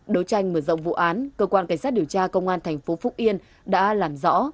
đấu tranh mở rộng vụ án cơ quan cảnh sát điều tra công an tp phúc yên đã làm rõ